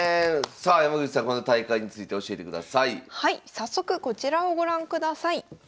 早速こちらをご覧ください。